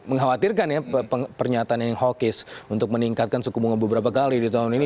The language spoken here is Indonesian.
mengkhawatirkan ya pernyataan yang hawkish untuk meningkatkan suku bunga beberapa kali di tahun ini